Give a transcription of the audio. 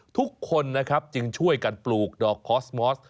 ทุกคนนะครับจึงช่วยกันปลูกดอกคอสมอส